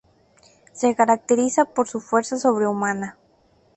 Se caracteriza por su fuerza sobrehumana.